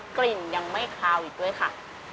กลิ่นยังไม่คลาวอีกด้วยค่ะ